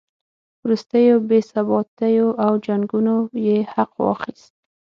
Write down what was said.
وروستیو بې ثباتیو او جنګونو یې حق واخیست.